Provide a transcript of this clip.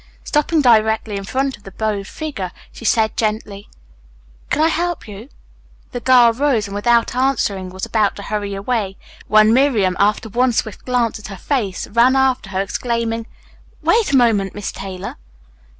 Stopping directly in front of the bowed figure, she said gently, "Can I help you?" The girl rose, and without answering was about to hurry away, when Miriam, after one swift glance at her face, ran after her, exclaiming, "Wait a moment, Miss Taylor!"